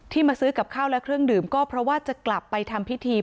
มาซื้อกับข้าวและเครื่องดื่มก็เพราะว่าจะกลับไปทำพิธี